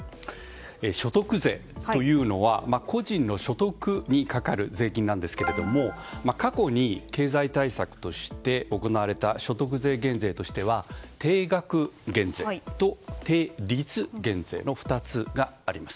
所得税というのは個人の所得にかかる税金なんですが過去に経済対策として行われた所得税減税としては定額減税と定率減税の２つがあります。